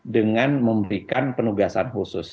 dengan memberikan penugasan khusus